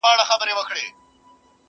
درد له نسل څخه تېرېږي تل.